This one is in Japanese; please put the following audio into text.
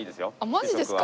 マジですか？